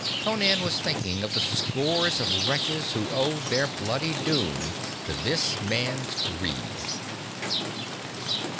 Conan was thinking of the scores of wretches who owed their bloody doom to this man's greed.